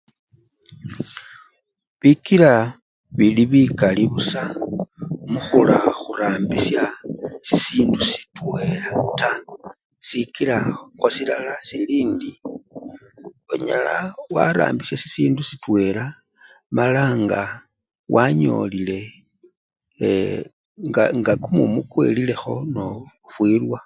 Bikila bili bikali busa mukhula khurambisha sisindu sitwela taa sikilakho silala silindi onyala warambisha sisindu sitwela mala nga wanyolile ee! nga nga kumumu kwelilekho nofilwa.